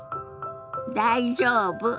「大丈夫？」。